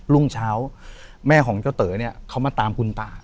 รุ่งเช้าแม่ของเจ้าเต๋อเนี่ยเขามาตามคุณตา